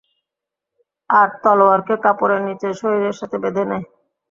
আর তলোয়ারকে কাপড়ের নিচে শরীরের সাথে বেধে নেয়।